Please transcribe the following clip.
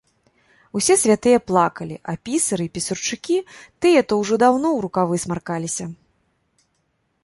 Усе святыя плакалі, а пісары і пісарчукі тыя то ўжо даўно ў рукавы смаркаліся.